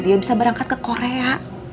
dia bisa berangkat ke korea